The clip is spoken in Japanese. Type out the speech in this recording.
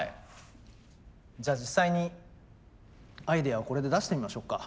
じゃあ実際にアイデアをこれで出してみましょうか。